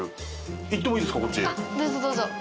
どうぞどうぞ。